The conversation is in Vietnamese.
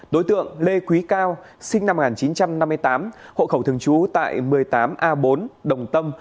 đối tượng lê quý cao sinh năm một nghìn chín trăm năm mươi tám hộ khẩu thường trú tại một mươi tám a bốn đồng tâm